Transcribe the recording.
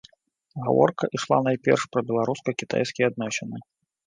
Гаворка ішла найперш пра беларуска-кітайскія адносіны.